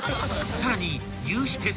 ［さらに］